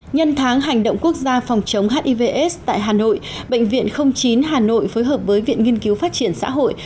nhân tháng hành động quốc gia phòng chống hiv aids tại hà nội bệnh viện chín hà nội phối hợp với viện nghiên cứu phát triển xã hội